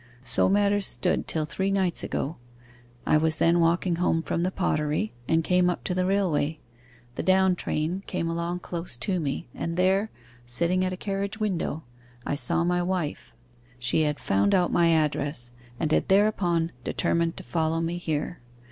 So matters stood till three nights ago; I was then walking home from the pottery, and came up to the railway. The down train came along close to me, and there, sitting at a carriage window, I saw my wife: she had found out my address, and had thereupon determined to follow me here.